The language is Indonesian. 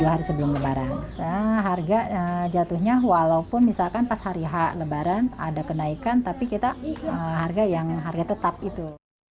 harga jatuhnya walaupun misalkan pas hari lebaran ada kenaikan tapi kita harga tetap itu